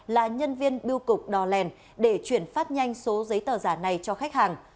là nhân viên biêu cục đò lèn để chuyển phát nhanh số giấy tờ giả này cho khách hàng